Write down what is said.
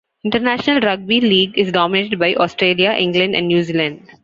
International Rugby League is dominated by Australia, England and New Zealand.